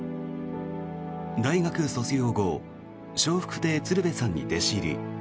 大学卒業後笑福亭鶴瓶さんに弟子入り。